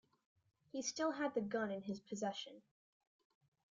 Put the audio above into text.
He still had the gun in his possession.